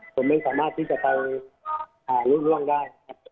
ผมไม่สามารถที่จะไปหาลูกร่วงได้